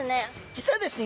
実はですね